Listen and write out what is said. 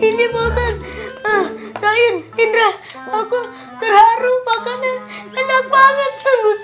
ini baukan sayang indra aku terharu makannya enak banget